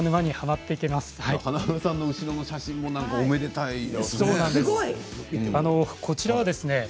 華丸さんの後ろの写真もおめでたいですね。